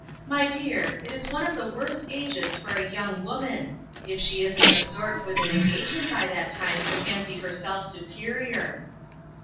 My dear, it is one of the worst ages for a young woman if she isn't absorbed with an en gagement by that time to fancy herself su perior."